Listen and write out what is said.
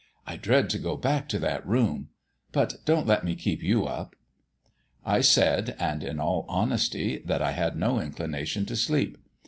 I dread to go back to that room. But don't let me keep you up." I said, and in all honesty, that I had no inclination to sleep.